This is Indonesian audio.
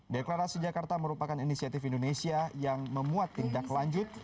deklarasi jakarta merupakan inisiatif indonesia yang memuat tindak lanjut